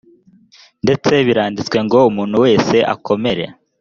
ndetse biranditswe ngo umuntu wese akomere